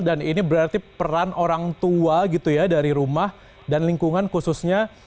dan ini berarti peran orang tua gitu ya dari rumah dan lingkungan khususnya